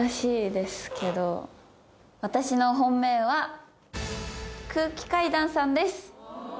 私の本命は空気階段さんです